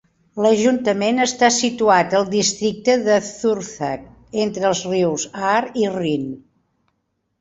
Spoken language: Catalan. L"ajuntament està situat al districte de Zurzach, entre els rius Aar i Rin.